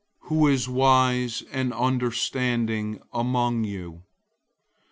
003:013 Who is wise and understanding among you?